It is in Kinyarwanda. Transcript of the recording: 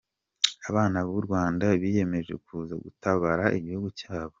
abana b'urwanda biyemeje kuza gutabara igihugu cyabo.